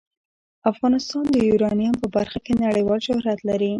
افغانستان د یورانیم په برخه کې نړیوال شهرت لري.